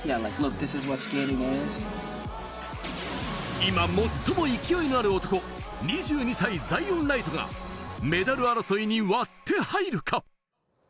今、最も勢いのある男、２２歳のザイオン・ライトがメダル争いに割って入るか。